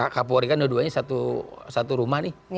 kapolri kan dua duanya satu rumah nih